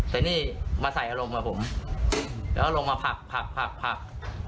แต่นี่มาใส่อารมณ์กับผมแล้วลงมาผักผัก